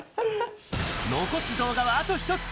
残す動画はあと１つ。